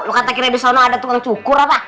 lo kata kita di sana ada tukang cukur apa